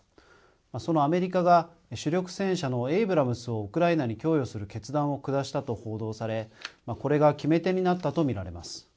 そのアメリカが主力戦車のエイブラムスをウクライナに供与する決断を下したと報道されこれが決め手になったと見られます。